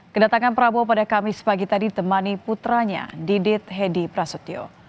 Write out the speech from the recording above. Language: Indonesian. kedatangan prabowo pada kami sepagi tadi temani putranya didit hedi prasutyo